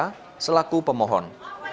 hani sutradjian selaku pemohon